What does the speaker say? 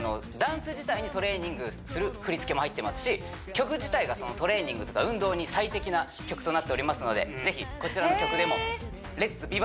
ダンス自体にトレーニングする振り付けも入ってますし曲自体がトレーニングとか運動に最適な曲となっておりますのでぜひこちらの曲でもレッツ！